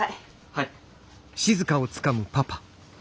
はい。